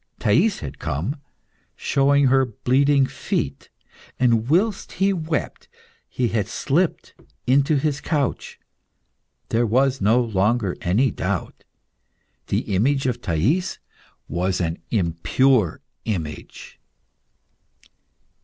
Thais had come, showing her bleeding feet, and whilst he wept, she had slipped into his couch. There was no longer any doubt; the image of Thais was an impure image.